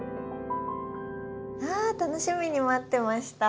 あ楽しみに待ってました。